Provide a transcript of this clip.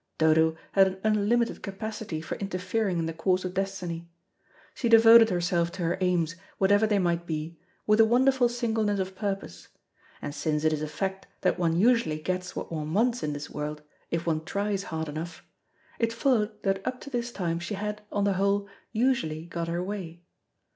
Dodo had an unlimited capacity for interfering in the course of destiny. She devoted herself to her aims, whatever they might be, with a wonderful singleness of purpose, and since it is a fact that one usually gets what one wants in this world, if one tries hard enough, it followed that up to this time she had, on the whole, usually got her way.